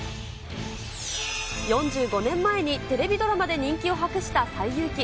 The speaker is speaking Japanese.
４５年前にテレビドラマで人気を博した西遊記。